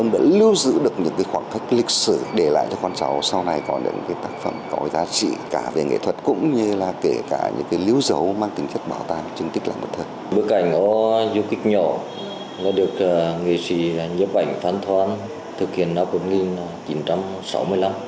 bức ảnh o dù kích nhỏ đã được nghệ sĩ giúp ảnh phán thoán thực hiện năm một nghìn chín trăm sáu mươi năm